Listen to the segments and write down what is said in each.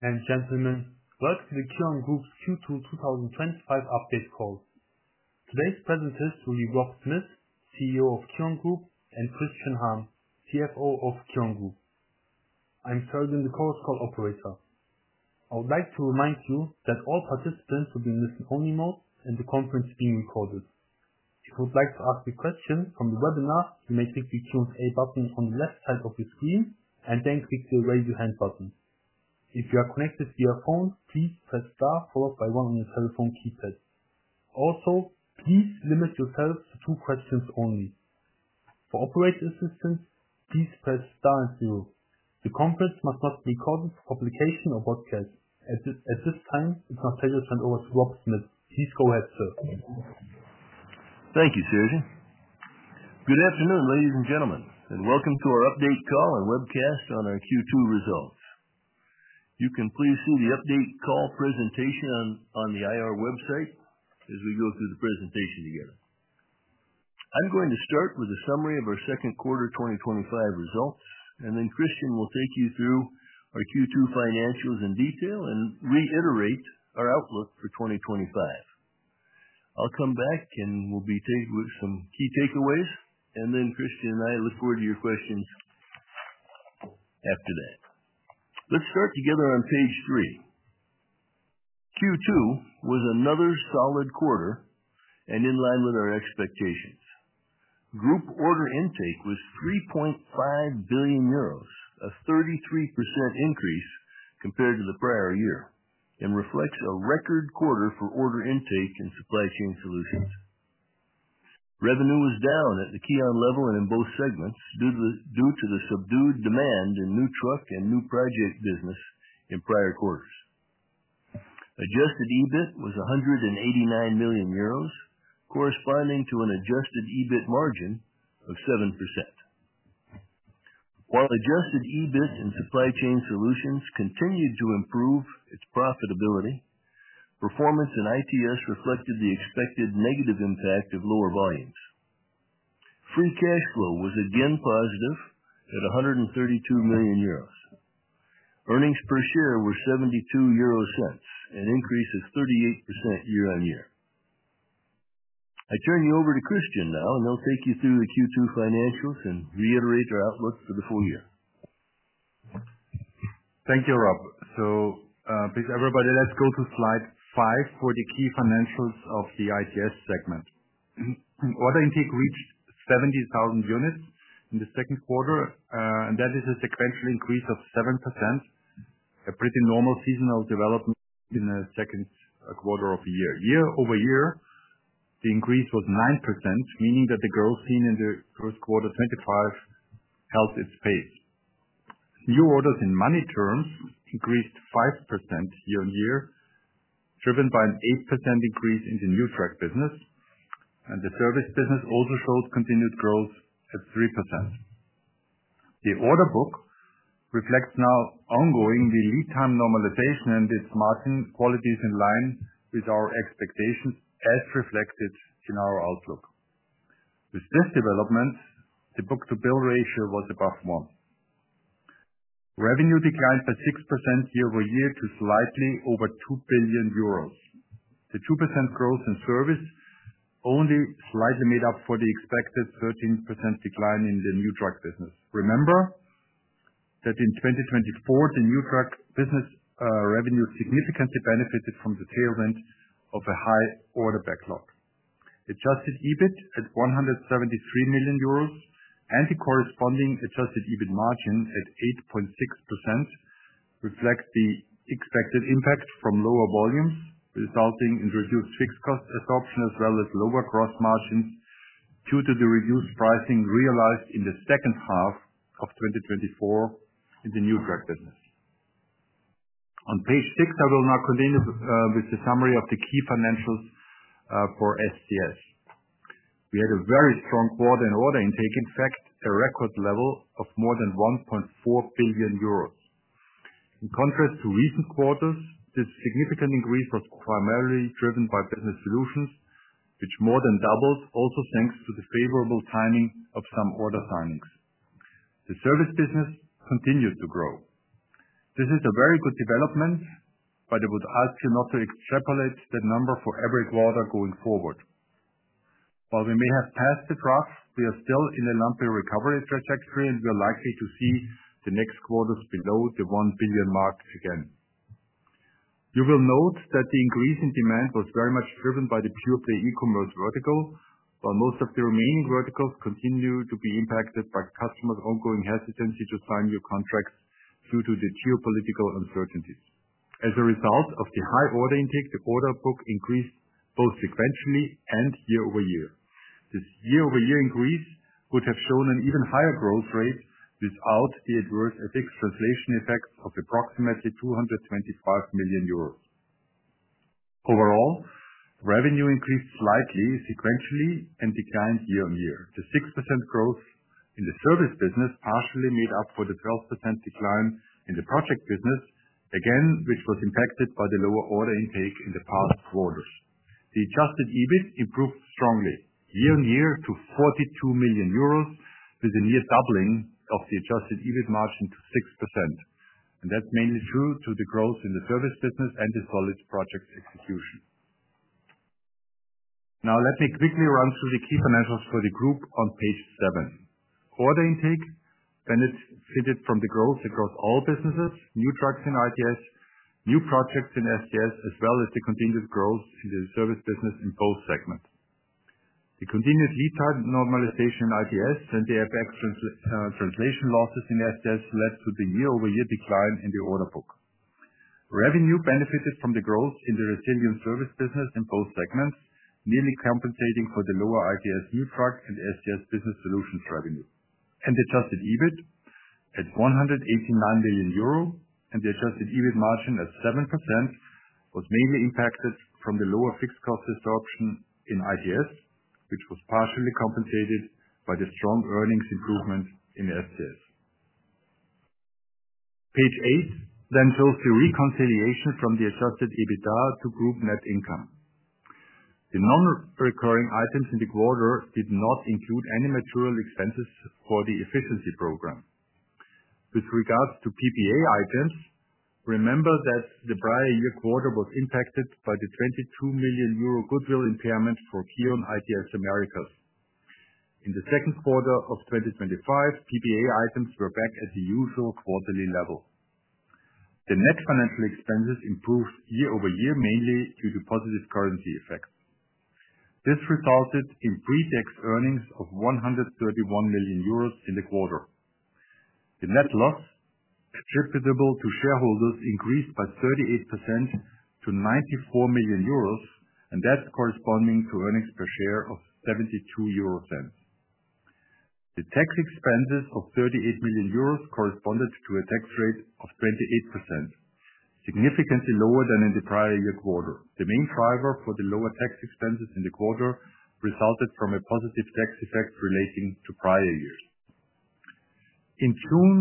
Ladies and gentlemen, welcome to the KION Group Q2 2025 update call. Today's presenters will be Rob Smith, CEO of KION Group, and Christian Harm, CFO of KION Group. I'm serving the call as call operator. I would like to remind you that all participants will be in listen-only mode, and the conference is being recorded. If you would like to ask a question from the webinar, you may click the Q&A button on the left side of your screen and then click the "Raise Your Hand" button. If you are connected via phone, please press star followed by one on your telephone keypad. Also, please limit yourself to two questions only. For operator assistance, please press star and zero. The conference must not be recorded for publication or broadcast. At this time, it's my pleasure to hand over to Rob Smith. Please go ahead, sir. Thank you, Sergen. Good afternoon, ladies and gentlemen, and welcome to our update call and webcast on our Q2 results. You can please see the update call presentation on the IR website as we go through the presentation together. I'm going to start with a summary of our second quarter 2025 results, and then Christian will take you through our Q2 financials in detail and reiterate our outlook for 2025. I'll come back and we'll be taking some key takeaways, and then Christian and I look forward to your questions after that. Let's start together on page three. Q2 was another solid quarter and in line with our expectations. Group order intake was 3.5 billion euros, a 33% increase compared to the prior year, and reflects a record quarter for order intake in Supply Chain Solutions. Revenue was down at the KION level and in both segments due to the subdued demand in new truck and new project business in prior quarters. Adjusted EBIT was 189 million euros, corresponding to an adjusted EBIT margin of 7%. While adjusted EBIT in Supply Chain Solutions continued to improve its profitability, performance in ITS reflected the expected negative impact of lower volumes. Free cash flow was again positive at 132 million euros. Earnings per share were 0.72, an increase of 38% year-on-year. I turn you over to Christian now, and they'll take you through the Q2 financials and reiterate our outlook for the full year. Thank you, Rob. Please everybody, let's go to slide five for the key financials of the ITS segment. Order intake reached 70,000 units in the second quarter, and that is a sequential increase of 7%, a pretty normal seasonal development in the second quarter of the year. Year-over-year, the increase was 9%, meaning that the growth seen in the first quarter 2025 held its pace. New orders in money terms increased 5% year-on-year, driven by an 8% increase in the new truck business, and the service business also showed continued growth at 3%. The order book reflects now ongoing the lead time normalization, and its margin quality is in line with our expectations as reflected in our outlook. With this development, the book-to-bill ratio was above 1. Revenue declined by 6% year-over-year to slightly over 2 billion euros. The 2% growth in service only slightly made up for the expected 13% decline in the new truck business. Remember that in 2024, the new truck business revenue significantly benefited from the tailwind of a high order backlog. Adjusted EBIT at 173 million euros and the corresponding adjusted EBIT margin at 8.6% reflect the expected impact from lower volumes, resulting in reduced fixed cost absorption as well as lower gross margins due to the reduced pricing realized in the second half of 2024 in the new truck business. On page six, I will now continue with the summary of the key financials for SCS. We had a very strong quarter in order intake, in fact, a record level of more than 1.4 billion euros. In contrast to recent quarters, this significant increase was primarily driven by business solutions, which more than doubled, also thanks to the favorable timing of some order signings. The service business continued to grow. This is a very good development, but I would ask you not to extrapolate that number for every quarter going forward. While we may have passed the trough, we are still in a lumber recovery trajectory, and we are likely to see the next quarters below the 1 billion mark again. You will note that the increase in demand was very much driven by the pure play e-commerce vertical, while most of the remaining verticals continue to be impacted by customers' ongoing hesitancy to sign new contracts due to the geopolitical uncertainties. As a result of the high order intake, the order book increased both sequentially and year-over-year. This year-over-year increase would have shown an even higher growth rate without the adverse FX translation effects of approximately 225 million euros. Overall, revenue increased slightly sequentially and declined year-on-year. The 6% growth in the service business partially made up for the 12% decline in the project business, which was impacted by the lower order intake in the past quarters. The adjusted EBIT improved strongly year-on-year to 42 million euros, with a near doubling of the adjusted EBIT margin to 6%. That is mainly due to the growth in the service business and the solid project execution. Now, let me quickly run through the key financials for the group on page seven. Order intake benefited from the growth across all businesses, new trucks in ITS, new projects in SCS, as well as the continued growth in the service business in both segments. The continued lead time normalization in ITS and the FX translation losses in SCS led to the year-over-year decline in the order book. Revenue benefited from the growth in the resilient service business in both segments, nearly compensating for the lower ITS new truck and SCS business solutions revenue. The adjusted EBIT at 189 million euro and the adjusted EBIT margin at 7% was mainly impacted from the lower fixed cost absorption in ITS, which was partially compensated by the strong earnings improvement in SCS. Page eight then shows the reconciliation from the adjusted EBITDA to group net income. The non-recurring items in the quarter did not include any material expenses for the efficiency program. With regards to PPA items, remember that the prior year quarter was impacted by the 22 million euro goodwill impairment for KION ITS Americas. In the second quarter of 2025, PPA items were back at the usual quarterly level. The net financial expenses improved year-over-year, mainly due to positive currency effects. This resulted in pre-tax earnings of 131 million euros in the quarter. The net loss attributable to shareholders increased by 38% to 94 million euros, corresponding to earnings per share of 0.72. The tax expenses of 38 million euros corresponded to a tax rate of 28%, significantly lower than in the prior year quarter. The main driver for the lower tax expenses in the quarter resulted from a positive tax effect relating to prior years. In June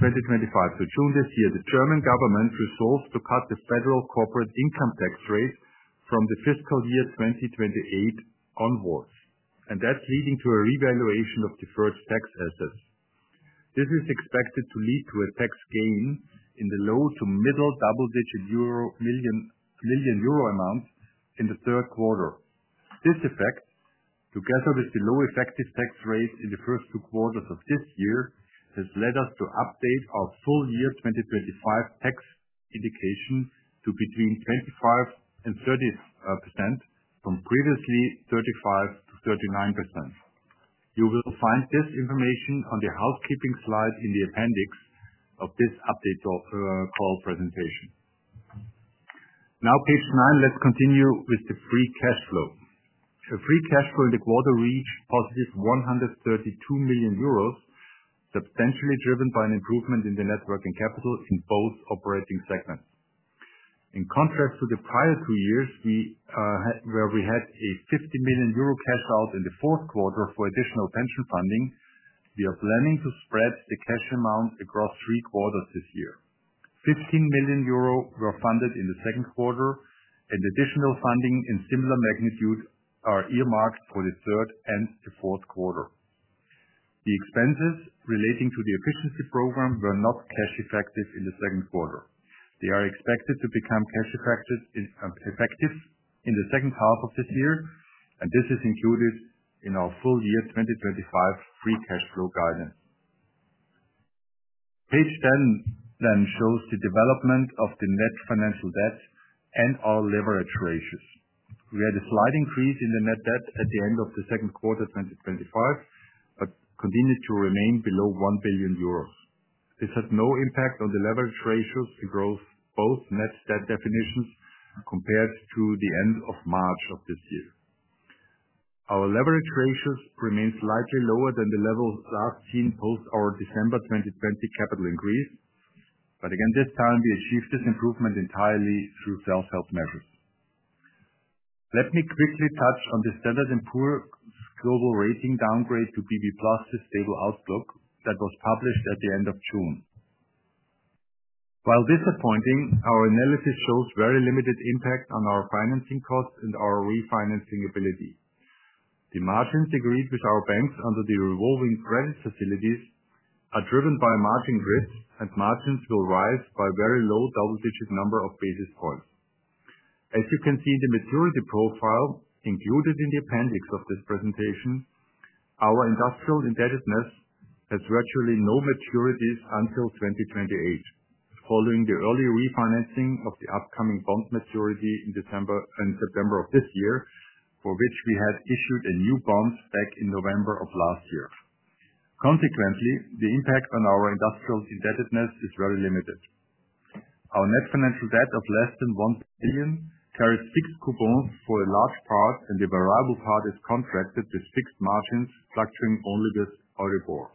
2025, so June this year, the German government resolved to cut the federal corporate income tax rate from the fiscal year 2028 onwards, and that's leading to a revaluation of deferred tax assets. This is expected to lead to a tax gain in the low to middle double-digit million euro amounts in the third quarter. This effect, together with the low effective tax rate in the first two quarters of this year, has led us to update our full year 2025 tax indication to between 25% and 30% from previously 35%-39%. You will find this information on the housekeeping slide in the appendix of this update call presentation. Now, page nine, let's continue with the free cash flow. Free cash flow in the quarter reached +132 million euros, substantially driven by an improvement in the net working capital in both operating segments. In contrast to the prior two years, where we had a 50 million euro cash out in the fourth quarter for additional pension funding, we are planning to spread the cash amount across three quarters this year. 15 million euro were funded in the second quarter, and additional funding in similar magnitude are earmarked for the third and the fourth quarter. The expenses relating to the efficiency program were not cash effective in the second quarter. They are expected to become cash effective in the second half of this year, and this is included in our full year 2025 free cash flow guidance. Page 10 then shows the development of the net financial debt and our leverage ratios. We had a slight increase in the net debt at the end of the second quarter 2025, but continued to remain below 1 billion euros. This had no impact on the leverage ratios to growth, both net debt definitions, compared to the end of March of this year. Our leverage ratios remain slightly lower than the levels last seen post our December 2020 capital increase, but again, this time we achieved this improvement entirely through self-help measures. Let me quickly touch on the Standard & Poor’s global rating downgrade to BB+ stable outlook that was published at the end of June. While disappointing, our analysis shows very limited impact on our financing costs and our refinancing ability. The margins agreed with our banks under the revolving credit facilities are driven by margin grids, and margins will rise by a very low double-digit number of basis points. As you can see, the maturity profile included in the appendix of this presentation, our industrial indebtedness has virtually no maturities until 2028, following the early refinancing of the upcoming bond maturity in December and September of this year, for which we had issued a new bond back in November of last year. Consequently, the impact on our industrial indebtedness is very limited. Our net financial debt of less than 1 billion carries fixed coupons for a large part, and the variable part is contracted with fixed margins structuring only this audit board.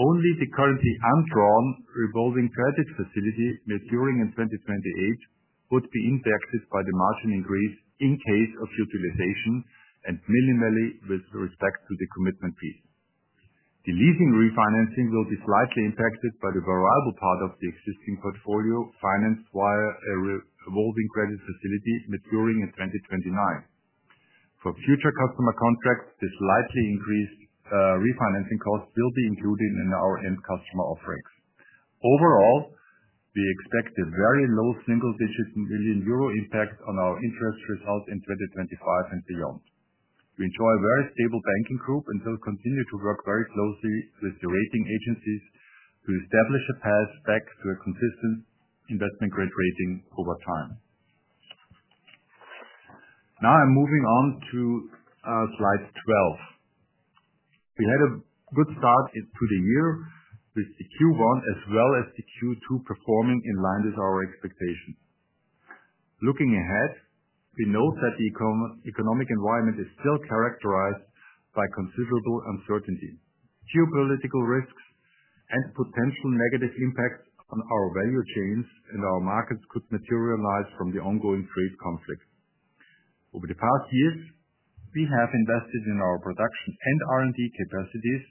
Only the currently undrawn revolving credit facility maturing in 2028 would be impacted by the margin increase in case of utilization, and minimally with respect to the commitment fees. The leasing refinancing will be slightly impacted by the variable part of the existing portfolio financed via a revolving credit facility maturing in 2029. For future customer contracts, the slightly increased refinancing costs will be included in our end customer offerings. Overall, we expect a very low single-digit million euro impact on our interest results in 2025 and beyond. We enjoy a very stable banking group and will continue to work very closely with the rating agencies to establish a path back to a consistent investment grade rating over time. Now I'm moving on to slide 12. We had a good start to the year with the Q1 as well as the Q2 performing in line with our expectations. Looking ahead, we know that the economic environment is still characterized by considerable uncertainty, geopolitical risks, and potential negative impacts on our value chains, and our markets could materialize from the ongoing trade conflict. Over the past years, we have invested in our production and R&D capacities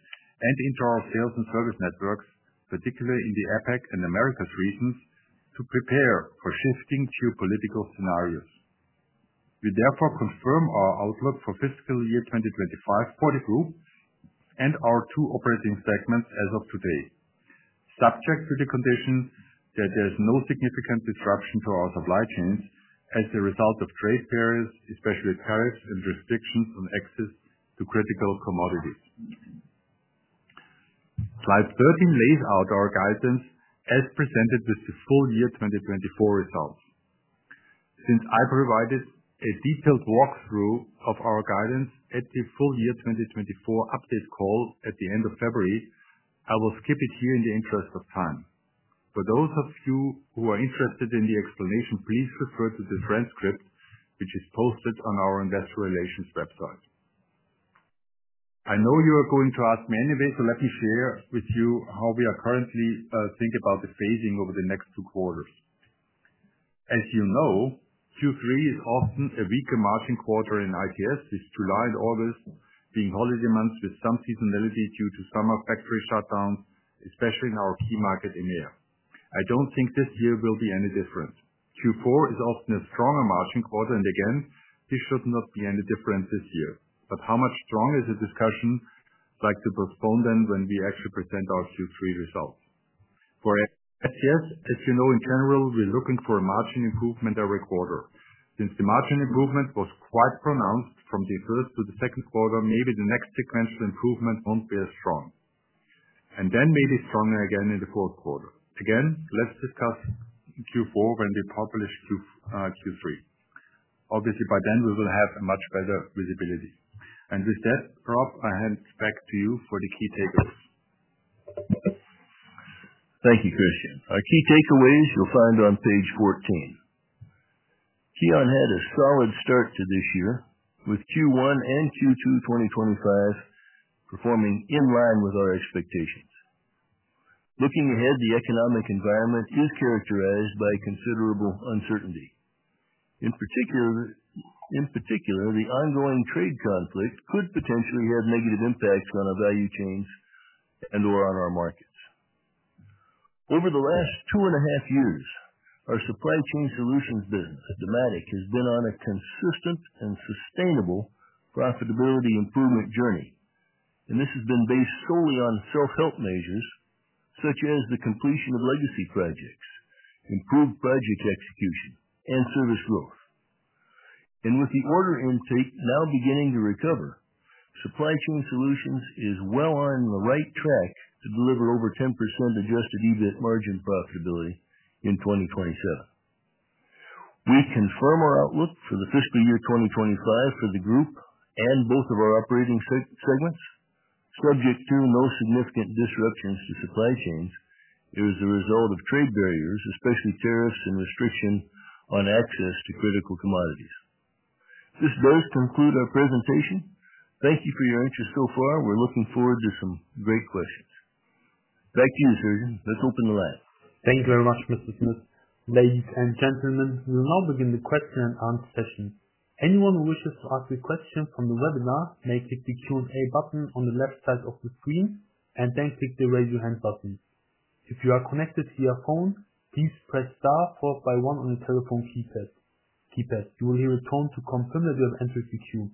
and into our sales and service networks, particularly in the APAC and Americas regions, to prepare for shifting geopolitical scenarios. We therefore confirm our outlook for fiscal year 2025 for the group and our two operating segments as of today, subject to the condition that there is no significant disruption to our supply chains as a result of trade barriers, especially tariffs and restrictions on access to critical commodities. Slide 13 lays out our guidance as presented with the full year 2024 results. Since I provided a detailed walkthrough of our guidance at the full year 2024 update call at the end of February, I will skip it here in the interest of time. For those of you who are interested in the explanation, please refer to the transcript which is posted on our investor relations website. I know you are going to ask me anyway, so let me share with you how we are currently thinking about the phasing over the next two quarters. As you know, Q3 is often a weaker margin quarter in ITS, with July and August being holiday months with some seasonality due to summer factory shutdowns, especially in our key market EMEA. I don't think this year will be any different. Q4 is often a stronger margin quarter, and this should not be any different this year. How much stronger is the discussion like the postponed one when we actually present our Q3 results? For SCS, as you know, in general, we're looking for a margin improvement every quarter. Since the margin improvement was quite pronounced from the first to the second quarter, maybe the next sequential improvement won't be as strong. Maybe stronger again in the fourth quarter. Let's discuss Q4 when we publish Q3. Obviously, by then we will have much better visibility. With that, Rob, I hand it back to you for the key takeaways. Thank you, Christian. Our key takeaways you'll find on page 14. KION had a solid start to this year, with Q1 and Q2 2025 performing in line with our expectations. Looking ahead, the economic environment is characterized by considerable uncertainty. In particular, the ongoing trade conflict could potentially have negative impacts on our value chains and/or on our markets. Over the last two and a half years, our Supply Chain Solutions business, Dematic, has been on a consistent and sustainable profitability improvement journey. This has been based solely on self-help measures such as the completion of legacy projects, improved project execution, and service growth. With the order intake now beginning to recover, Supply Chain Solutions is well on the right track to deliver over 10% adjusted EBIT margin profitability in 2027. We confirm our outlook for the fiscal year 2025 for the group and both of our operating segments, subject to no significant disruptions to supply chains as a result of trade barriers, especially tariffs and restrictions on access to critical commodities. This does conclude our presentation. Thank you for your interest so far. We're looking forward to some great questions. Thank you, Sergen. Let's open the lab. Thank you very much, Mr. Smith. Ladies and gentlemen, we will now begin the question and answer session. Anyone who wishes to ask a question from the webinar may click the Q&A button on the left side of the screen and then click the "Raise Your Hand" button. If you are connected via phone, please press star followed by one on your telephone keypad. You will hear a tone to confirm that you have entered the queue.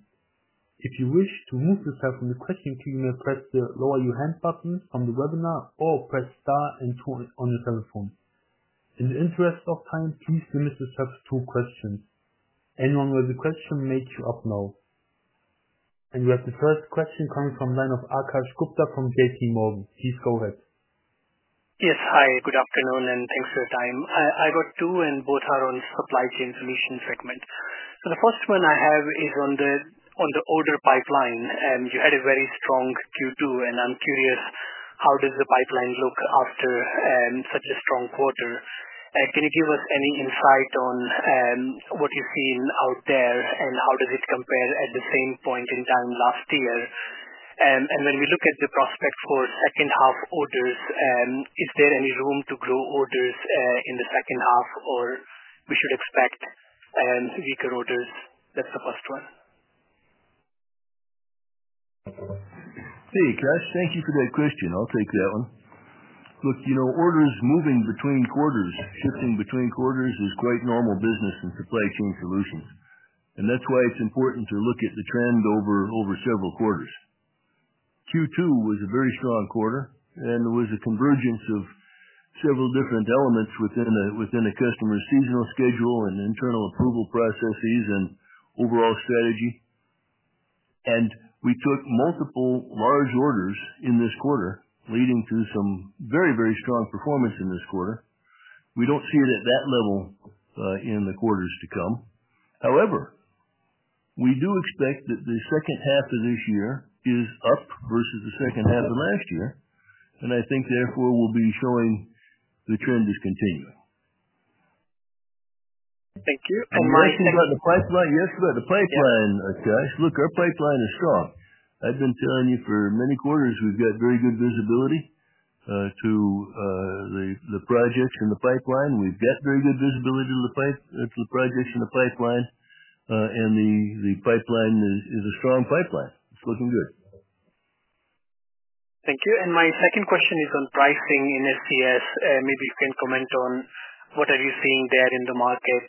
If you wish to move yourself from the question queue, you may press the "Lower Your Hand" button from the webinar or press star and two on your telephone. In the interest of time, please limit yourself to two questions. Anyone who has a question may keep up now. We have the first question coming from the line of Akash Gupta from JPMorgan. Please go ahead. Yes. Hi. Good afternoon and thanks for the time. I got two and both are on the Supply Chain Solutions segment. The first one I have is on the order pipeline. You had a very strong Q2, and I'm curious, how does the pipeline look after such a strong quarter? Can you give us any insight on what you've seen out there and how does it compare at the same point in time last year? When we look at the prospect for second half orders, is there any room to grow orders in the second half or should we expect weaker orders? That's the first one. Hey, Akash, thank you for that question. I'll take that one. Look, you know, orders moving between quarters, shifting between quarters is quite normal business in Supply Chain Solutions. That's why it's important to look at the trend over several quarters. Q2 was a very strong quarter, and it was a convergence of several different elements within a customer's seasonal schedule and internal approval processes and overall strategy. We took multiple large orders in this quarter, leading to some very, very strong performance in this quarter. We don't see it at that level in the quarters to come. However, we do expect that the second half of this year is up versus the second half of last year, and I think therefore we'll be showing the trend is continuing. Thank you. I'm asking about the pipeline. Yes, about the pipeline, Akash. Look, our pipeline is strong. I've been telling you for many quarters we've got very good visibility to the projects in the pipeline. We've got very good visibility to the projects in the pipeline, and the pipeline is a strong pipeline. It's looking good. Thank you. My second question is on pricing in SCS. Maybe you can comment on what you are seeing there in the market.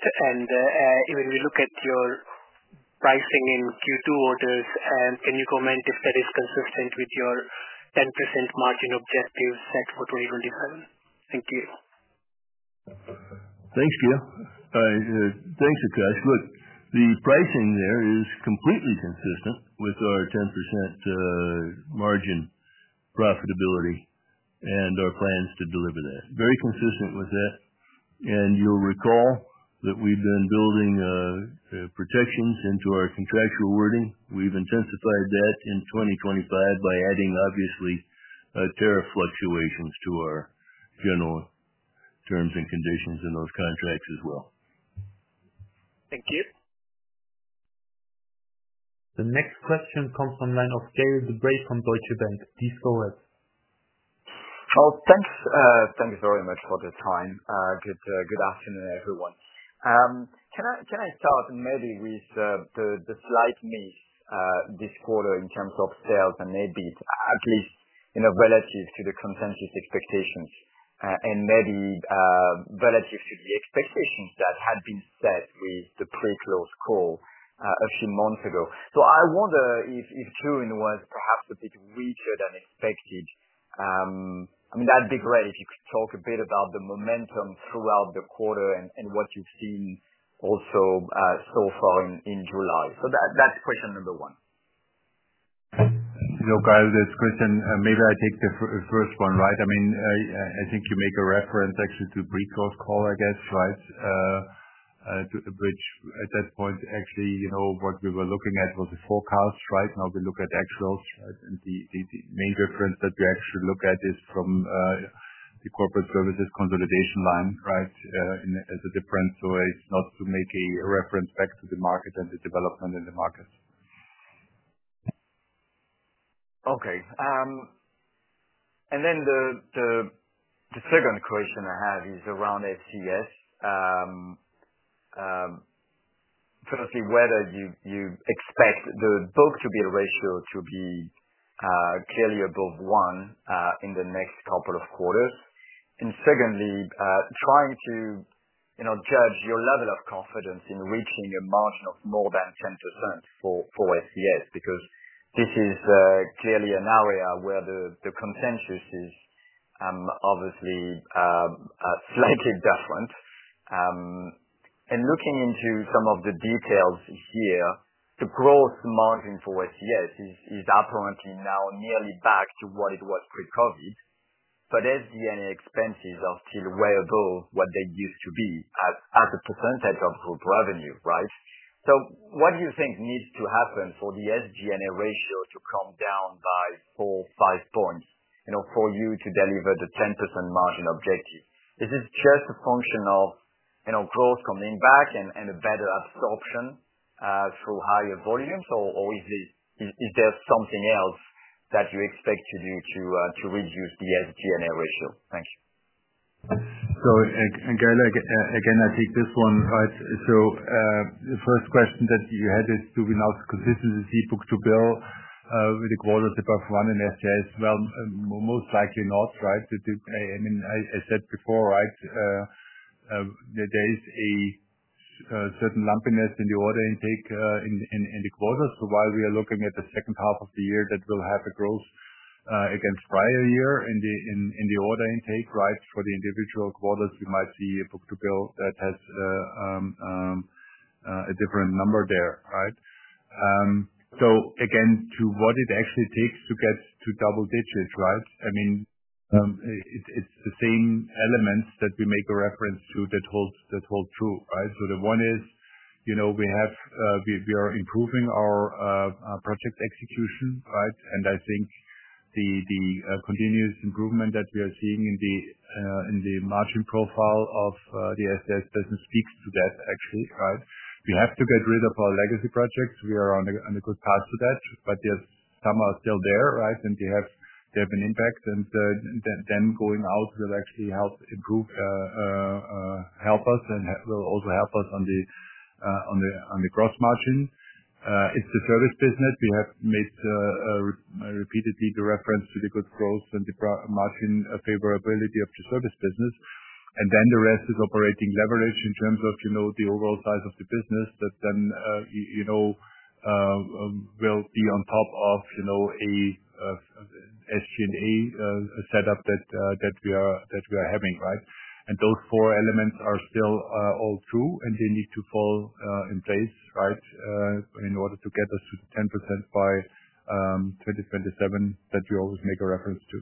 When we look at your pricing in Q2 orders, can you comment if that is consistent with your 10% margin objectives set for 2027? Thank you. Thank you. Thanks, Akash. Look, the pricing there is completely consistent with our 10% margin profitability and our plans to deliver that. Very consistent with that. You'll recall that we've been building protections into our contractual wording. We've intensified that in 2025 by adding, obviously, tariff fluctuations to our general terms and conditions in those contracts as well. Thank you. The next question comes from the line of Gaël De Bray from Deutsche Bank. Please go ahead. Thanks very much for the time. Good afternoon, everyone. Can I start maybe with the slight miss this quarter in terms of sales and EBIT, at least relative to the consensus expectations, and maybe relative to the expectations that had been set with the pre-close call a few months ago? I wonder if Q1 was perhaps a bit weaker than expected. It would be great if you could talk a bit about the momentum throughout the quarter and what you've seen also so far in July. That's question number one. Okay. This question, maybe I take the first one, right? I mean, I think you make a reference actually to the pre-close call, I guess, right? At that point, actually, what we were looking at was a forecast, right? Now we look at actuals, right? The main difference that we actually look at is from the corporate services consolidation line as a difference. It's not to make a reference back to the market and the development in the markets. Okay. The second question I have is around SCS. Firstly, whether you expect the book-to-bill ratio to be clearly above 1 in the next couple of quarters. Secondly, trying to judge your level of confidence in reaching a margin of more than 10% for SCS because this is clearly an area where the consensus is obviously slightly different. Looking into some of the details here, the gross margin for SCS is apparently now nearly back to what it was pre-COVID. SG&A expenses are still way above what they used to be as a percentage of group revenue, right? What do you think needs to happen for the SG&A ratio to come down by 4points, 5 points for you to deliver the 10% margin objective? Is this just a function of growth coming back and a better absorption through higher volumes? Or is there something else that you expect to do to reduce the SG&A ratio? Thank you. Again, I take this one, right? The first question that you had is, do we now consistently see book-to-bill, with the quarters above 1 in SCS? Most likely not, right? I said before, there is a certain lumpiness in the order intake in the quarter. While we are looking at the second half of the year that will have a growth against prior year in the order intake, for the individual quarters, we might see a book-to-bill that has a different number there, right? To what it actually takes to get to double digits, it's the same elements that we make a reference to that hold true, right? The one is, we are improving our project execution, right? I think the continuous improvement that we are seeing in the margin profile of the SCS does speak to that, actually, right? We have to get rid of our legacy projects. We are on a good path to that, but yes, some are still there, right? They have an impact. Going out will actually help improve, help us and will also help us on the gross margin. It's the service business. We have made repeatedly the reference to the good growth and the margin favorability of the service business. The rest is operating leverage in terms of the overall size of the business that then will be on top of a SG&A setup that we are having, right? Those four elements are still all true, and they need to fall in place, right, in order to get us to the 10% by 2027 that we always make a reference to.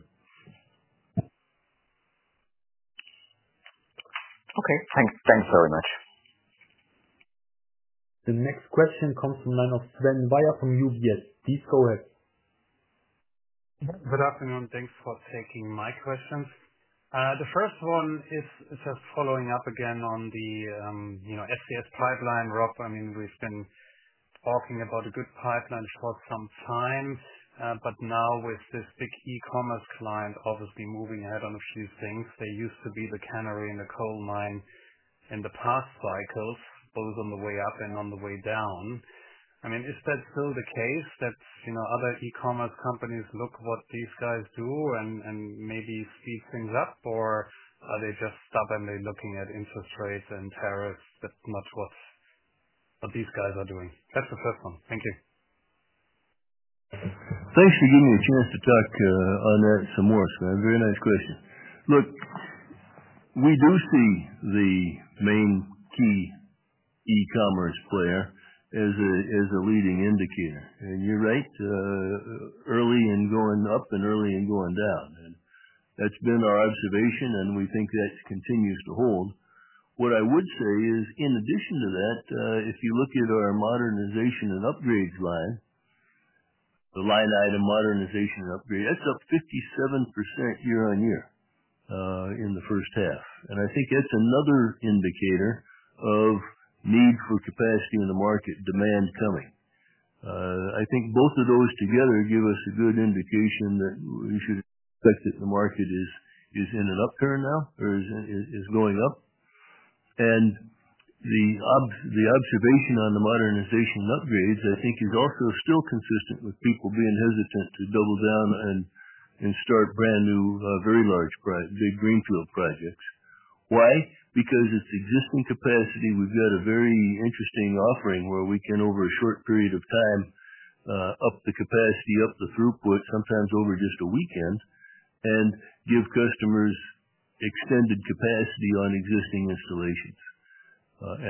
Okay, thanks. Thanks very much. The next question comes from the line of Sven Weier from UBS. Please go ahead. Good afternoon. Thanks for taking my questions. The first one is just following up again on the, you know, SCS pipeline, Rob. We've been talking about a good pipeline for some time, but now with this big e-commerce client obviously moving ahead on a few things, they used to be the canary in the coal mine in the past cycles, both on the way up and on the way down. Is that still the case that, you know, other e-commerce companies look at what these guys do and maybe speed things up, or are they just stubbornly looking at interest rates and tariffs? That's not what these guys are doing. That's the first one. Thank you. Thanks for giving me a chance to talk on that some more, Sven. Very nice question. Look, we do see the main key e-commerce player as a leading indicator. You're right, early in going up and early in going down. That's been our observation, and we think that continues to hold. What I would say is, in addition to that, if you look at our modernization and upgrades line, the line item modernization and upgrade, that's up 57% year-on-year in the first half. I think that's another indicator of need for capacity in the market, demand coming. I think both of those together give us a good indication that we should expect that the market is in an upturn now or is going up. The observation on the modernization and upgrades, I think, is also still consistent with people being hesitant to double down and start brand new, very large big greenfield projects. Why? Because it's existing capacity. We've got a very interesting offering where we can, over a short period of time, up the capacity, up the throughput, sometimes over just a weekend, and give customers extended capacity on existing installations.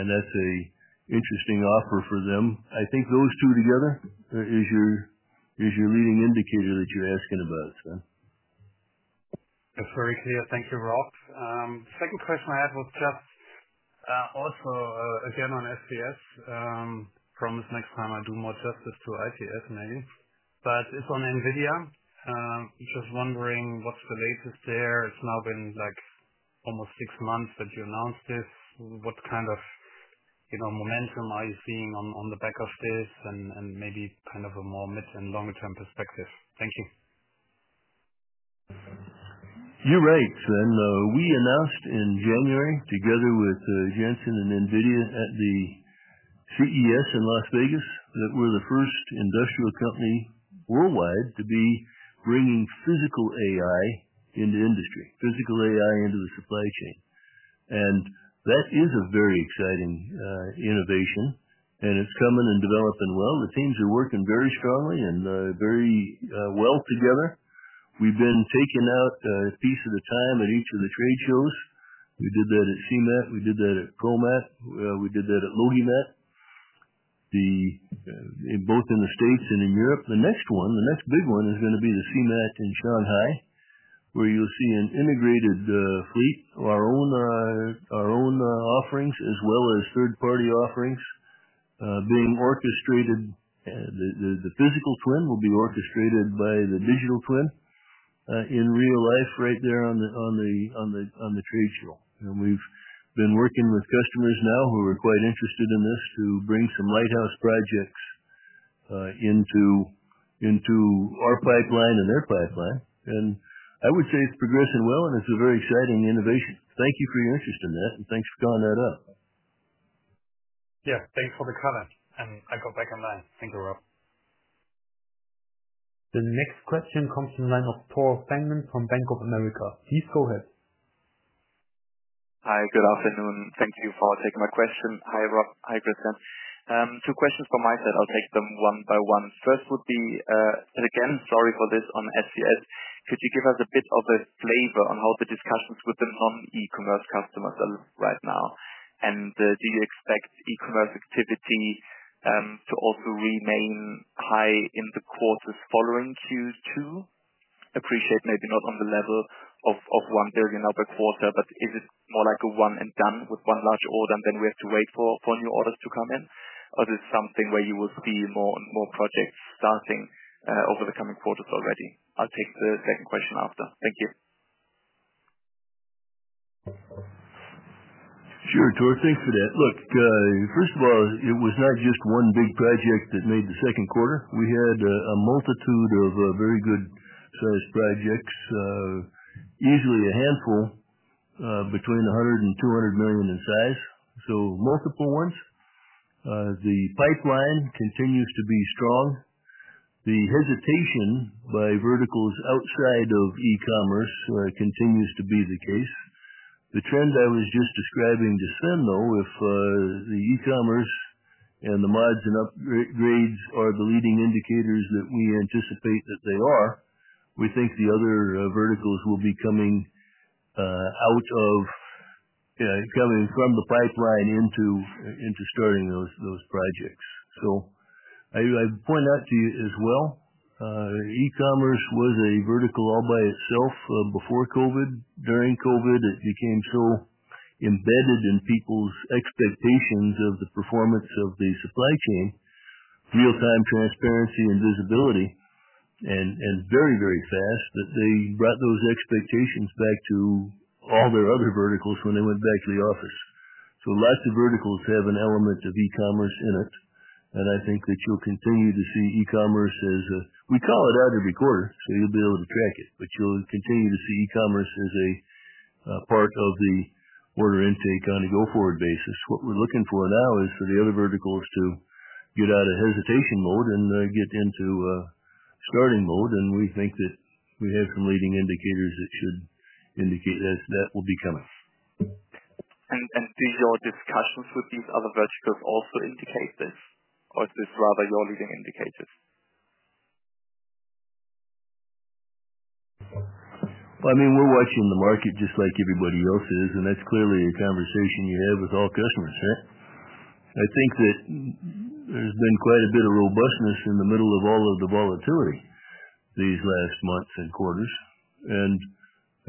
That's an interesting offer for them. I think those two together is your leading indicator that you're asking about, sir. That's very clear. Thank you, Rob. The second question I had was just also again on SCS. I promise next time I do more justice to ITS, maybe. It's on NVIDIA. Just wondering what's the latest there. It's now been like almost six months that you announced this. What kind of momentum are you seeing on the back of this and maybe kind of a more mid and longer-term perspective? Thank you. You're right. We announced in January together with Jensen and NVIDIA at the CES in Las Vegas that we're the first industrial company worldwide to be bringing physical AI into industry, physical AI into the supply chain. That is a very exciting innovation, and it's coming and developing well. The teams are working very strongly and very well together. We've been taking out a piece at a time at each of the trade shows. We did that at CMAT. We did that at ProMat. We did that at LogiMAT, both in the States and in Europe. The next big one is going to be the CMAT in Shanghai, where you'll see an integrated fleet of our own offerings as well as third-party offerings being orchestrated. The physical twin will be orchestrated by the digital twin, in real life right there on the trade show. We've been working with customers now who are quite interested in this to bring some lighthouse projects into our pipeline and their pipeline. I would say it's progressing well, and it's a very exciting innovation. Thank you for your interest in that, and thanks for calling that out. Thank you for the comment. I got back online. Thank you, Rob. The next question comes from the line of Tore Fangmann from Bank of America. Please go ahead. Hi. Good afternoon. Thank you for taking my question. Hi, Rob. Hi, Christian. Two questions from my side. I'll take them one by one. First would be, and again, sorry for this on SCS. Could you give us a bit of a flavor on how the discussions with the non-e-commerce customers are right now? Do you expect e-commerce activity to also remain high in the quarters following Q2? I appreciate maybe not on the level of $1 billion over a quarter, but is it more like a one and done with one large order and then we have to wait for new orders to come in? Is this something where you will see more and more projects starting over the coming quarters already? I'll take the second question after. Thank you. Sure. Thanks for that. First of all, it was not just one big project that made the second quarter. We had a multitude of very good-sized projects, easily a handful, between $100 million and $200 million in size. Multiple ones. The pipeline continues to be strong. The hesitation by verticals outside of e-commerce continues to be the case. The trend I was just describing to Sven, though, if the e-commerce and the mods and upgrades are the leading indicators that we anticipate that they are, we think the other verticals will be coming out of, coming from the pipeline into starting those projects. I point out to you as well, e-commerce was a vertical all by itself before COVID. During COVID, it became so embedded in people's expectations of the performance of the supply chain, real-time transparency and visibility, and very, very fast that they brought those expectations back to all their other verticals when they went back to the office. Lots of verticals have an element of e-commerce in it. I think that you'll continue to see e-commerce as a, we call it out every quarter, so you'll be able to track it. You'll continue to see e-commerce as a part of the order intake on a go-forward basis. What we're looking for now is for the other verticals to get out of hesitation mode and get into starting mode. We think that we have some leading indicators that should indicate that that will be coming. Do your discussions with these other verticals also indicate this, or is this rather your leading indicators? I mean, we're watching the market just like everybody else is, and that's clearly a conversation you have with all customers, right? I think that there's been quite a bit of robustness in the middle of all of the volatility these last months and quarters.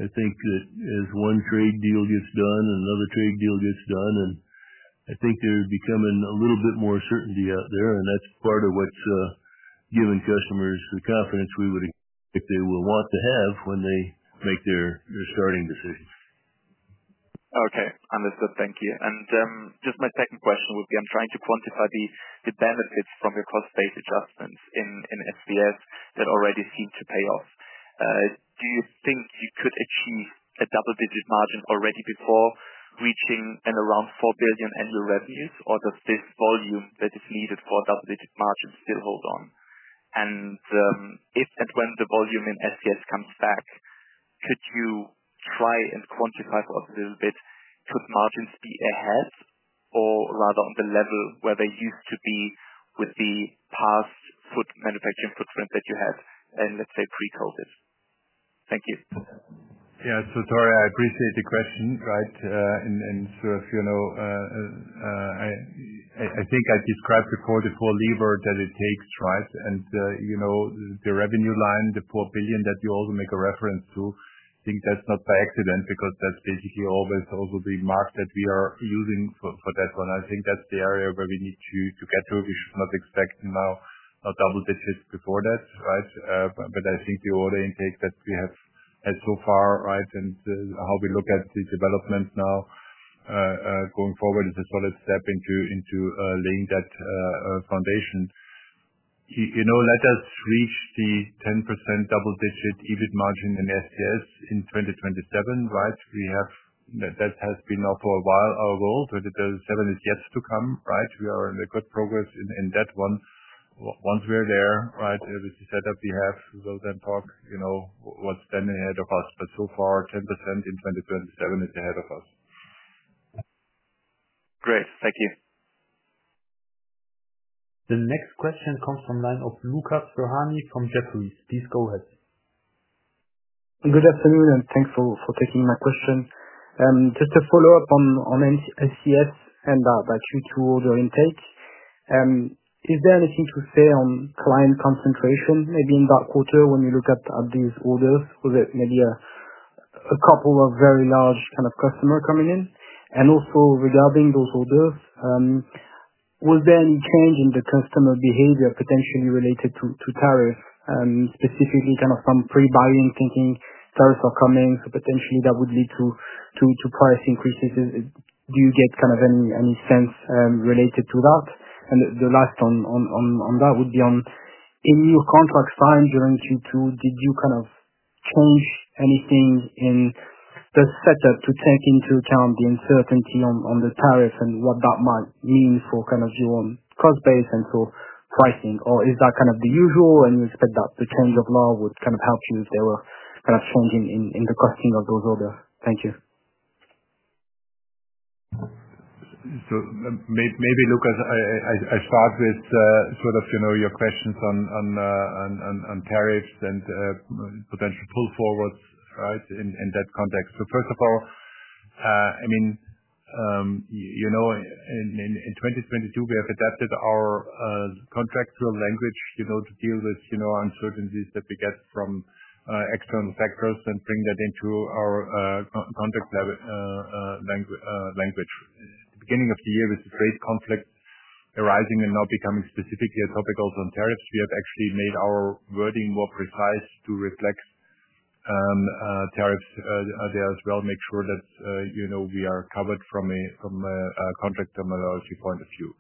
I think that as one trade deal gets done and another trade deal gets done, there's becoming a little bit more certainty out there. That's part of what's given customers the confidence we would expect they will want to have when they make their starting decisions. Okay. Understood. Thank you. My second question would be, I'm trying to quantify the benefits from your cost-based adjustments in SCS that already seem to pay off. Do you think you could achieve a double-digit margin already before reaching around $4 billion annual revenues, or does this volume that is needed for a double-digit margin still hold on? If and when the volume in SCS comes back, could you try and quantify for us a little bit, could margins be ahead or rather on the level where they used to be with the past manufacturing footprint that you had, and let's say pre-COVID? Thank you. Yeah. Tore, I appreciate the question, right? As you know, I think I described the 4 lever that it takes, right? The revenue line, the $4 billion that you also make a reference to, I think that's not by accident because that's basically also the mark that we are using for that one. I think that's the area where we need to get to. We should not expect double digits before that, right? I think the order intake that we have had so far, and how we look at the developments now going forward, is a solid step into laying that foundation. Let us reach the 10% double-digit EBIT margin in SCS in 2027, right? That has been now for a while our goal. 2027 is yet to come, right? We are in good progress in that one. Once we're there, with the setup we have, we'll then talk about what's ahead of us. So far, 10% in 2027 is ahead of us. Great. Thank you. The next question comes from the line of Lucas Ferhani from Jefferies. Please go ahead. Good afternoon, and thanks for taking my question. Just to follow up on SCS and that Q2 order intake, is there anything to say on client concentration maybe in that quarter when you look at these orders? Was it maybe a couple of very large kind of customers coming in? Also, regarding those orders, was there any change in the customer behavior potentially related to tariffs, specifically kind of some pre-buying thinking tariffs are coming? Potentially that would lead to price increases. Do you get any sense related to that? The last one on that would be in your contracts signed during Q2, did you change anything in the setup to take into account the uncertainty on the tariff and what that might mean for your own cost base and pricing? Or is that the usual and you expect that the change of law would help you if there were a change in the costing of those orders? Thank you. Maybe Lucas, I start with your questions on tariffs and potential pull forwards in that context. First of all, in 2022, we have adapted our contractual language to deal with uncertainties that we get from external factors and bring that into our contract language. At the beginning of the year, with the trade conflict arising and now becoming specifically a topic also on tariffs, we have actually made our wording more precise to reflect tariffs there as well. We make sure that we are covered from a contract terminology point of view.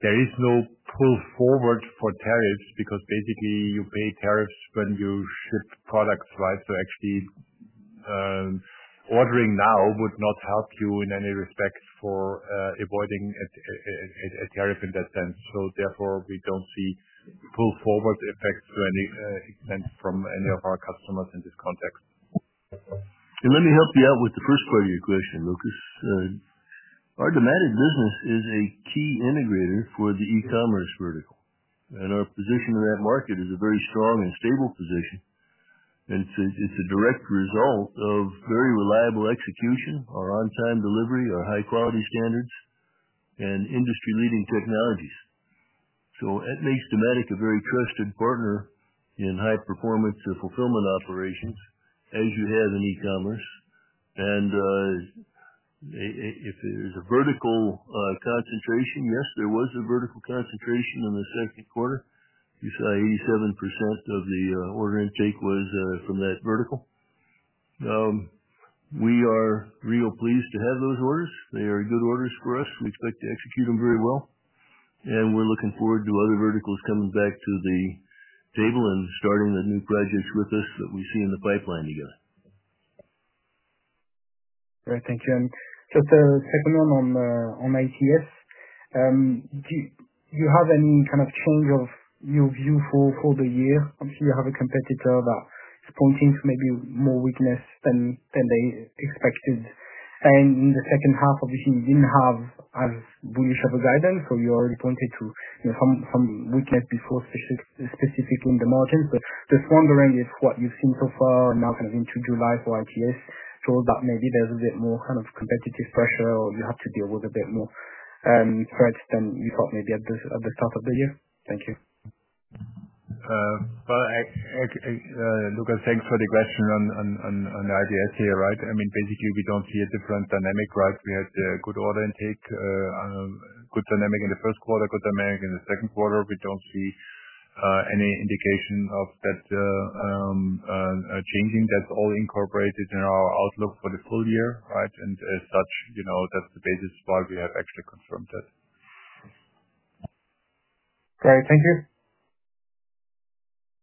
There is no pull forward for tariffs because basically you pay tariffs when you ship products, right? Ordering now would not help you in any respect for avoiding a tariff in that sense. Therefore, we don't see pull forward effects to any extent from any of our customers in this context. It really helped you out with the first part of your question, Lucas. Our Dematic business is a key integrator for the e-commerce vertical, and our position in that market is a very strong and stable position. It's a direct result of very reliable execution, our on-time delivery, our high-quality standards, and industry-leading technologies. It makes Dematic a very trusted partner in high-performance fulfillment operations as you have in e-commerce. If there's a vertical concentration, yes, there was a vertical concentration in the second quarter. You saw 87% of the order intake was from that vertical. We are real pleased to have those orders. They are good orders for us. We expect to execute them very well, and we're looking forward to other verticals coming back to the table and starting the new projects with us that we see in the pipeline together. All right. Thank you. Just a second one on ITS. Do you have any kind of change of your view for the year? Obviously, you have a competitor that is pointing to maybe more weakness than they expected. In the second half, you didn't have as bullish of a guidance, or you already pointed to some weakness before, specifically in the margins. Just wondering if what you've seen so far now into July for ITS shows that maybe there's a bit more kind of competitive pressure, or you have to deal with a bit more threats than you thought maybe at the start of the year. Thank you. Okay, Lucas, thanks for the question on the ITS here, right? I mean, basically, we don't see a different dynamic, right? We had a good order intake, good dynamic in the first quarter, good dynamic in the second quarter. We don't see any indication of that changing. That's all incorporated in our outlook for the full year, right? As such, you know, that's the basis why we have actually confirmed that. Great. Thank you.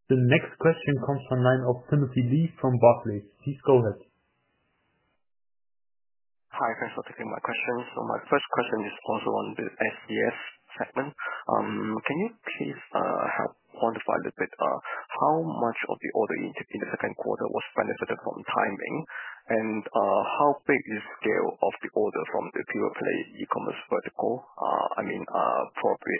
The next question comes from the line of Timothy Lee from Barclays. Please go ahead. Hi, thanks for taking my question. My first question is also on the SCS segment. Can you please help quantify a little bit how much of the order intake in the second quarter was benefited from timing? How big is the scale of the order from the pure play e-commerce vertical? I mean, probably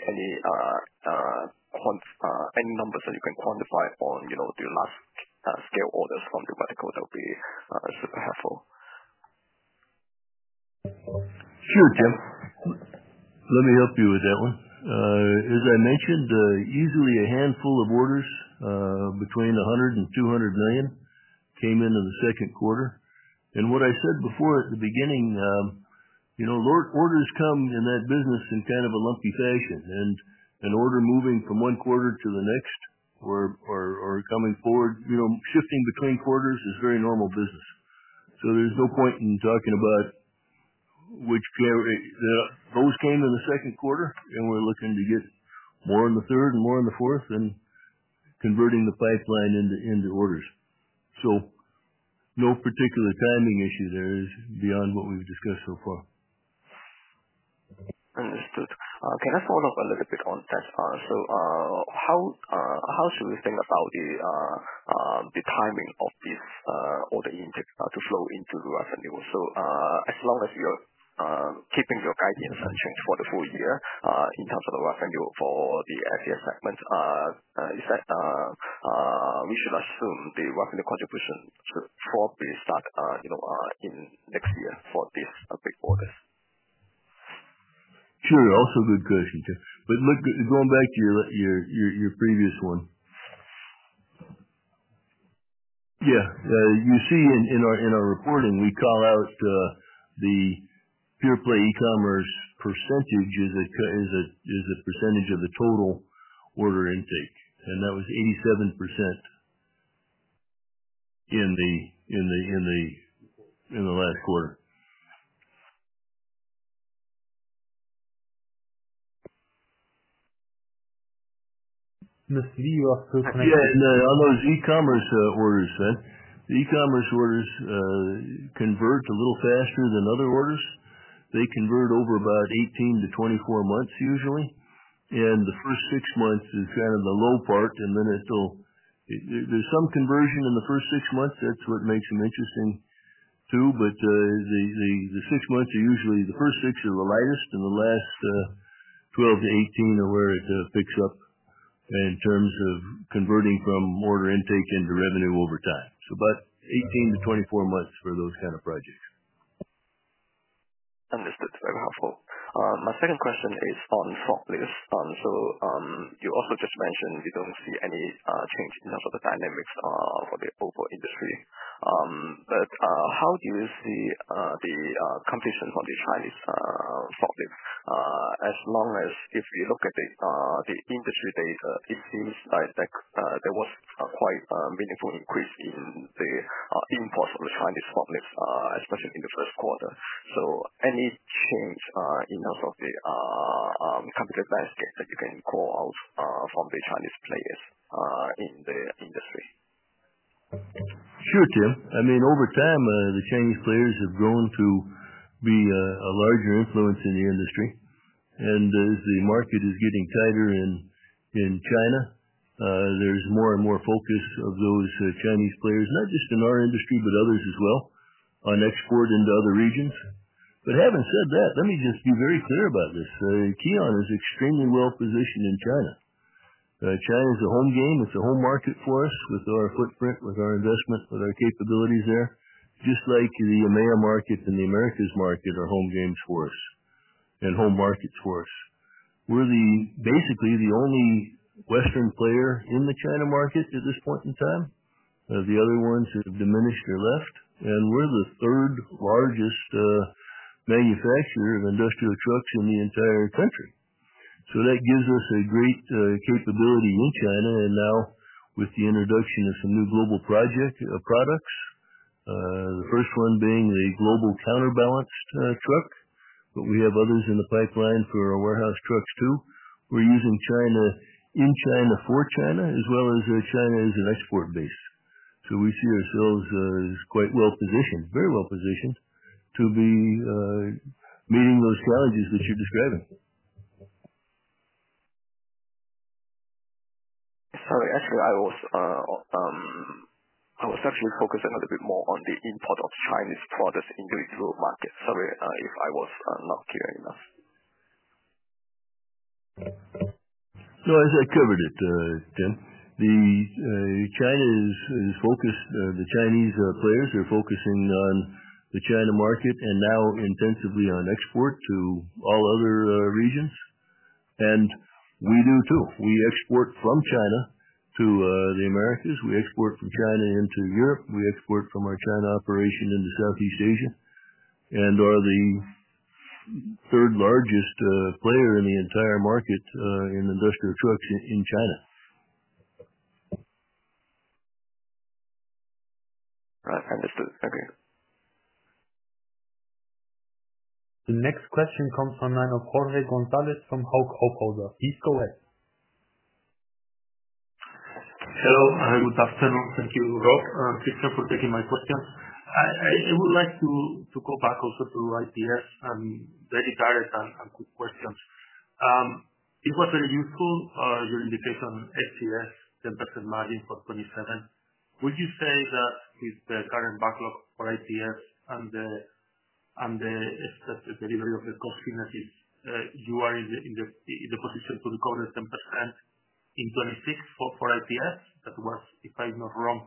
any numbers that you can quantify on the last scale orders from the vertical, that would be super helpful. Sure, Tim. Let me help you with that one. As I mentioned, easily a handful of orders, between $100 million and $200 million, came into the second quarter. What I said before at the beginning, you know, orders come in that business in kind of a lumpy fashion. An order moving from one quarter to the next or coming forward, shifting between quarters, is very normal business. There's no point in talking about which of those came in the second quarter. We're looking to get more in the third and more in the fourth and converting the pipeline into orders. No particular timing issue there is beyond what we've discussed so far. Understood. Okay. Let's follow up a little bit on that. How should we think about the timing of this order intake to flow into the revenue? As long as you're keeping your guidance unchanged for the full year in terms of the revenue for the SCS segment, is that, we should assume the revenue contribution for the start, you know, in next year for this big quarter? Sure. Also a good question, Tim. Look, going back to your previous one, you see in our reporting, we call out the pure play e-commerce percentage as a percentage of the total order intake, and that was 87% in the last quarter. Mr. Lee, you're off to connect. Yeah. No, I know it's e-commerce orders, then. The e-commerce orders convert a little faster than other orders. They convert over about 18 months-24 months, usually. The first six months is kind of the low part, and then there's some conversion in the first six months. That's what makes them interesting too. The six months are usually, the first six are the lightest, and the last 12 months-18 months are where it picks up in terms of converting from order intake into revenue over time. About 18 months-24 months for those kind of projects. Understood. Very helpful. My second question is on forklifts. You also just mentioned you don't see any change in terms of the dynamics for the overall industry. How do you see the competition for the Chinese forklift? If we look at the industry data, it seems like there was a quite meaningful increase in the imports of the Chinese forklifts, especially in the first quarter. Any change in terms of the competitive landscape that you can call out from the Chinese players in the industry? Sure, Tim. I mean, over time, the Chinese players have grown to be a larger influence in the industry. As the market is getting tighter in China, there's more and more focus of those Chinese players, not just in our industry but others as well, on export into other regions. Having said that, let me just be very clear about this. KION Group is extremely well positioned in China. China is a home game. It's a home market for us with our footprint, with our investment, with our capabilities there. Just like the EMEA market and the Americas market are home games for us and home markets for us. We're basically the only Western player in the China market at this point in time. The other ones have diminished or left. We're the third largest manufacturer of industrial trucks in the entire country. That gives us a great capability in China. Now, with the introduction of some new global projects, products, the first one being the global counterbalance truck, but we have others in the pipeline for our warehouse trucks too. We're using China in China for China as well as China as an export base. We see ourselves as quite well positioned, very well positioned to be meeting those challenges that you're describing. Sorry. I was actually focusing a little bit more on the import of Chinese products in the euro market. Sorry if I was not clear enough. No, I covered it, Tim. China is focused, the Chinese players are focusing on the China market and now intensively on export to all other regions. We do too. We export from China to the Americas. We export from China into Europe. We export from our China operation into Southeast Asia and are the third largest player in the entire market in industrial trucks in China. All right. Understood. Thank you. The next question comes from the line of Jorge González from Hauck Aufhäuser. Please go ahead. Hello. Good afternoon. Thank you, Rob, Christian, for taking my question. I would like to go back also to ITS and very direct and quick questions. It was very useful, your indication on SCS 10% margin for 2027. Would you say that with the current backlog for ITS and the delivery of the cost finishes, you are in the position to recover the 10% in 2026 for ITS? That was, if I'm not wrong,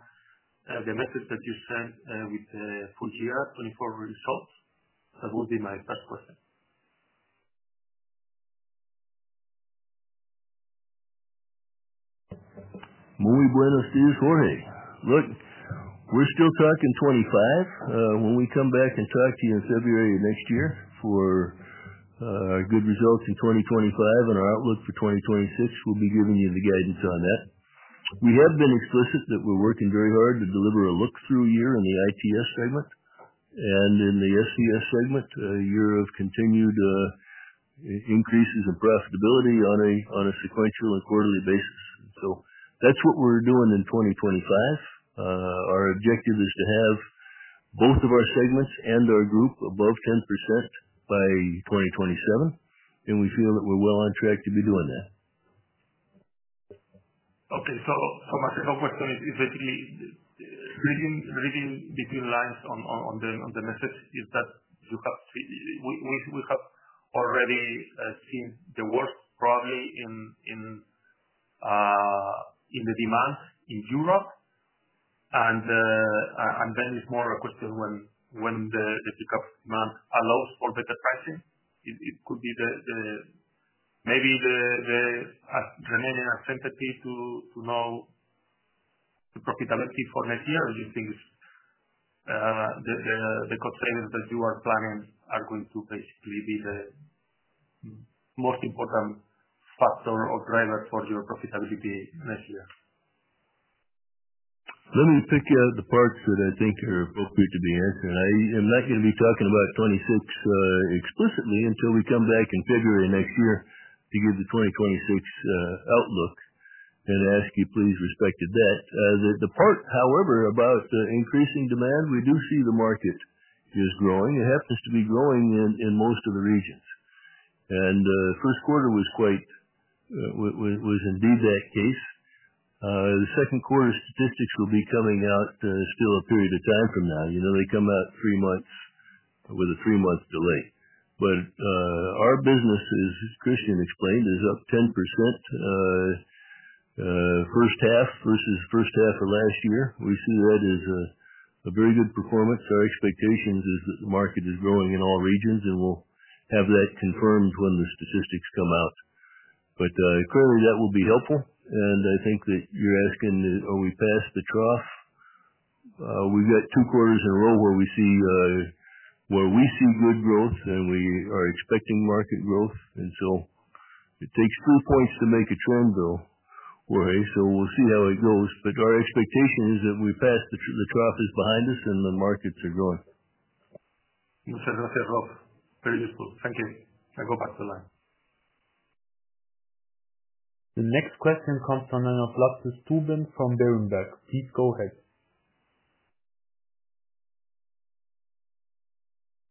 the message that you sent with the full year 2024 results. That would be my first question. Muy buenos días, Jorge. Look, we're still tracking 2025. When we come back and talk to you in February of next year for good results in 2025 and our outlook for 2026, we'll be giving you the guidance on that. We have been explicit that we're working very hard to deliver a look-through year in the ITS segment. In the SCS segment, a year of continued increases in profitability on a sequential and quarterly basis. That's what we're doing in 2025. Our objective is to have both of our segments and our group above 10% by 2027, and we feel that we're well on track to be doing that. Okay. My second question is basically reading between the lines on the message is that we have already seen the worst probably in the demand in Europe, and then it's more a question when the pickup demand allows for better pricing. It could be maybe the remaining uncertainty to know the profitability for next year, or do you think it's the cost savings that you are planning are going to basically be the most important factor or driver for your profitability next year? Let me pick out the parts that I think are appropriate to be answered. I am not going to be talking about 2026 explicitly until we come back in February next year to give the 2026 outlook, and I ask you please respect that. The part, however, about the increasing demand, we do see the market is growing. It happens to be growing in most of the regions, and the first quarter was indeed that case. The second quarter statistics will be coming out, still a period of time from now. You know, they come out with a three-month delay. Our business is, as Christian explained, up 10% first half versus the first half of last year. We see that as a very good performance. Our expectation is that the market is growing in all regions, and we'll have that confirmed when the statistics come out. Clearly, that will be helpful. I think that you're asking, are we past the trough? We've got two quarters in a row where we see good growth, and we are expecting market growth. It takes three points to make a trend, though, Jorge. We'll see how it goes. Our expectation is that the trough is behind us and the markets are growing. Okay. Okay, Rob. Very useful. Thank you. I go back to the line. The next question comes from the line of Lasse Stüben from Berenberg. Please go ahead.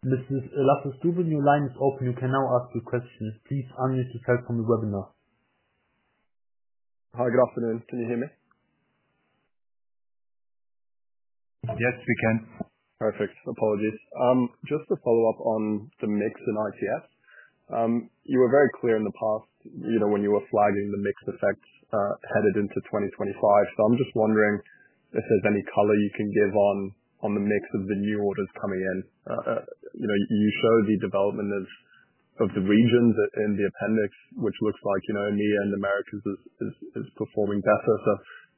Lasses Tuben, your line is open. You can now ask your questions. Please unmute yourself from the webinar. Hi. Good afternoon. Can you hear me? Yes, we can. Perfect. Apologies. Just to follow up on the mix in ITS, you were very clear in the past when you were flagging the mix effects headed into 2025. I'm just wondering if there's any color you can give on the mix of the new orders coming in. You show the development of the regions in the appendix, which looks like EMEA and the Americas is performing better.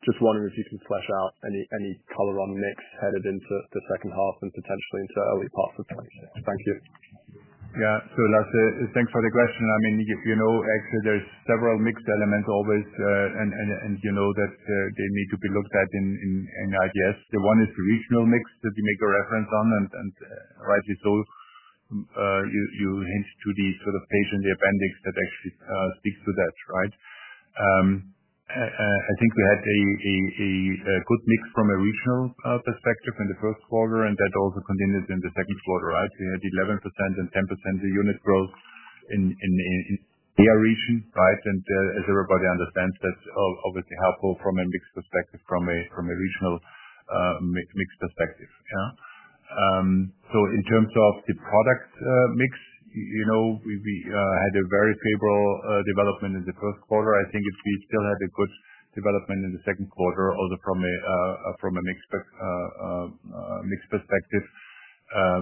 Just wondering if you can flesh out any color on mix headed into the second half and potentially into early parts of 2026. Thank you. Yeah. Lasse, thanks for the question. I mean, if you know, actually, there's several mixed elements always, and you know that they need to be looked at in ITS. One is the regional mix that you make a reference on, and rightly so. You hint to the sort of page in the appendix that actually speaks to that, right? I think we had a good mix from a regional perspective in the first quarter, and that also continued in the second quarter, right? We had 11% and 10% of unit growth in the EMEA region, right? As everybody understands, that's obviously helpful from a mixed perspective, from a regional mixed perspective. Yeah. In terms of the product mix, you know, we had a very favorable development in the first quarter. I think we still had a good development in the second quarter, also from a mixed perspective,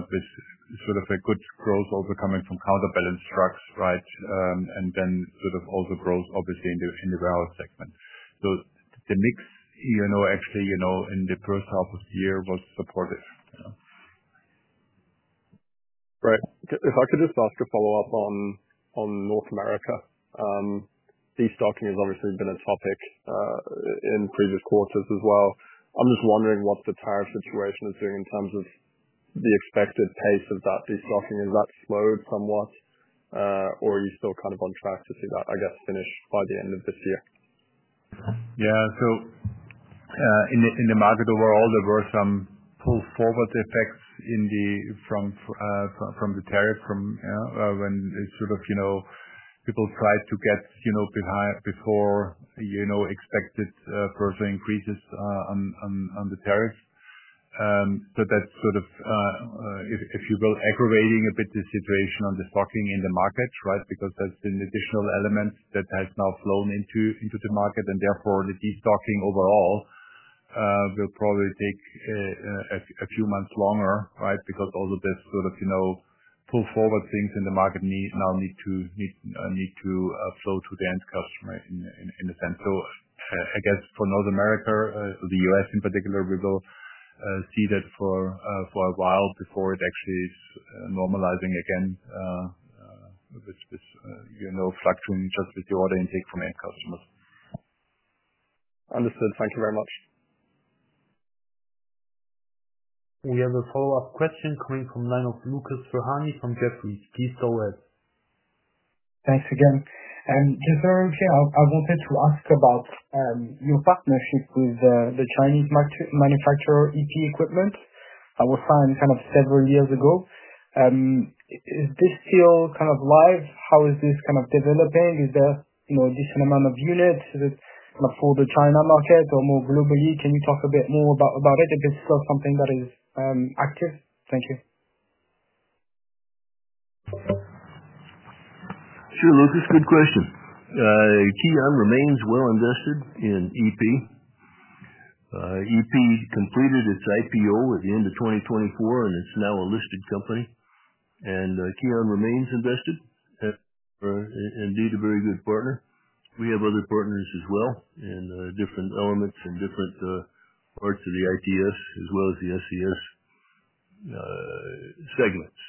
with sort of a good growth also coming from counterbalance trucks, right? Then sort of also growth, obviously, in the warehouse segment. The mix, you know, actually, you know, in the first half of the year was supportive. Yeah. Right. If I could just ask a follow-up on North America, destocking has obviously been a topic in previous quarters as well. I'm just wondering what the tariff situation is doing in terms of the expected pace of that destocking. Is that slowed somewhat, or are you still kind of on track to see that, I guess, finish by the end of this year? Yeah. In the market overall, there were some pull forward effects from the tariff, when people tried to get behind before expected further increases on the tariffs. That's aggravating a bit the situation on the stocking in the market, because that's an additional element that has now flown into the market. Therefore, the destocking overall will probably take a few months longer, because also this pull forward things in the market now need to flow to the end customer in a sense. I guess for North America, the U.S. in particular, we will see that for a while before it actually is normalizing again, with this fluctuating just with the order intake from end customers. Understood. Thank you very much. We have a follow-up question coming from the line of Lucas Ferhani from Jefferies. Please go ahead. Thanks again. Just very clear, I wanted to ask about your partnership with the Chinese manufacturer EP Equipment. It was signed kind of several years ago. Is this deal kind of live? How is this kind of developing? Is there a decent amount of units? Is it kind of for the China market or more globally? Can you talk a bit more about it if it's still something that is active? Thank you. Sure, Lucas. Good question. KION remains well invested in EP. EP completed its IPO at the end of 2024, and it's now a listed company. KION remains invested and indeed a very good partner. We have other partners as well in different elements and different parts of the ITS as well as the SCS segments.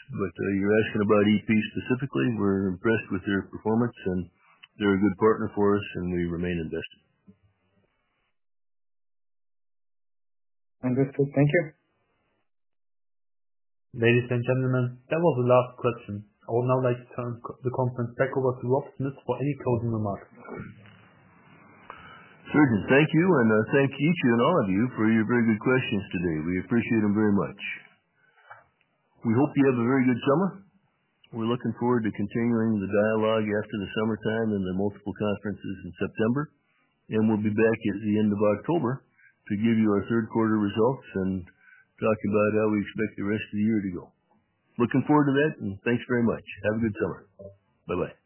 You're asking about EP specifically. We're impressed with their performance, they're a good partner for us, and we remain invested. Understood. Thank you. Ladies and gentlemen, that was the last question. I would now like to turn the conference back over to Rob Smith for any closing remarks. Thank you. And thank each of you and all of you for your very good questions today. We appreciate them very much. We hope you have a very good summer. We're looking forward to continuing the dialogue after the summertime and the multiple conferences in September. We'll be back at the end of October to give you our third quarter results and talk about how we expect the rest of the year to go. Looking forward to that, and thanks very much. Have a good summer. Bye-bye.